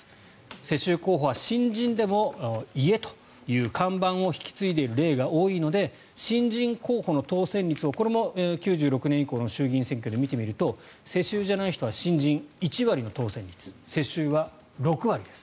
世襲候補は新人でも家という看板を引き継いでいる例が多いので新人候補の当選率をこれも９６年以降の衆議院選挙で見てみると世襲じゃない人は新人、１割の当選率世襲は６割です。